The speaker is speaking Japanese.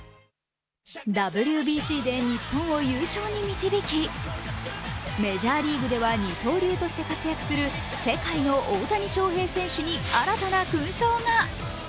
ＷＢＣで日本を優勝に導き、メジャーリーグでは二刀流として活躍する世界の大谷翔平選手に新たな勲章が。